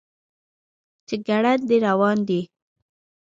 چې ګړندی روان دی.